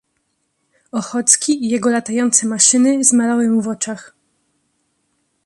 "Ochocki i jego latające maszyny zmalały mu w oczach."